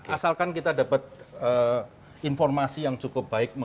asalkan kita dapat informasi yang cukup baik